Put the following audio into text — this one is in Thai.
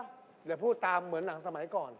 เดี๋ยวพูดตามเหมือนหนังสมัยก่อน